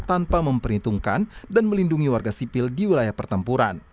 tanpa memperhitungkan dan melindungi warga sipil di wilayah pertempuran